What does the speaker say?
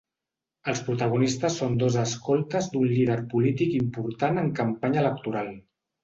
Els protagonistes són dos escoltes d’un líder polític important en campanya electoral.